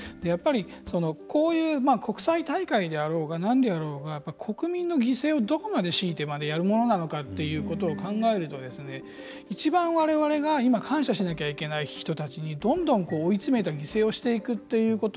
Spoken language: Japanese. こういう国際大会であろうがなんであろうが国民の犠牲をどこまで強いてまでやるものなのかということを考えると一番われわれが一番感謝しなきゃいけない人たちにどんどん追い詰めた犠牲をしいていくということ。